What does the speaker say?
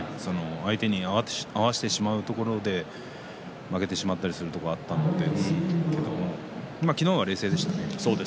相手に合わせてしまうところで負けてしまったりするところがあったんですけれど昨日は冷静でしたね。